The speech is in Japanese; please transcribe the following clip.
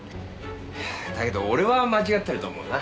だけど俺は間違ってると思うな。